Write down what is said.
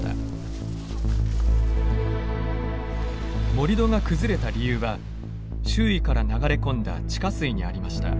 盛土が崩れた理由は周囲から流れ込んだ地下水にありました。